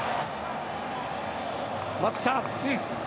松木さん